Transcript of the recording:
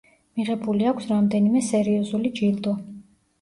მიღებული აქვს რამდენიმე სერიოზული ჯილდო.